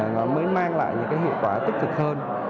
nó mới mang lại những hiệu quả tích cực hơn